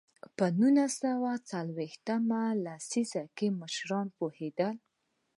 په نولس سوه څلوېښت مه لسیزه کې مشران پوهېدل.